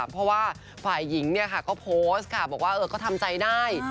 เพราะว่าฝ่ายหญิงเนี่ยค่ะก็โพสต์ค่ะบอกว่าเออก็ทำใจได้